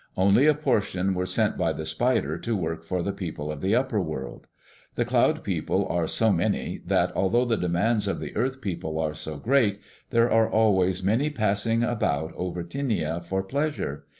Only a portion were sent by the Spider to work for the people of the upper world. The Cloud People are so many that, although the demands of the earth people are so great, there are always many passing about over Tinia for pleasure.